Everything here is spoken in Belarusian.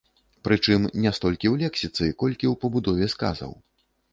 Прычым не столькі ў лексіцы, колькі ў пабудове сказаў.